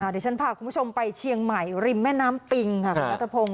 เดี๋ยวฉันพาคุณผู้ชมไปเชียงใหม่ริมแม่น้ำปิงอาตภพงก์